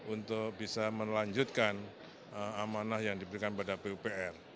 untuk bisa melanjutkan amanah yang diberikan pada pupr